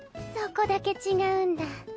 そこだけ違うんだ。